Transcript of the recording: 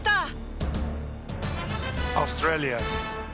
オーストラリア。